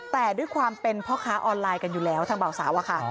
แต่ด้วยความเป็นพ่อค้าออนไลน์กันอยู่แล้วทางเบาสาวอะค่ะ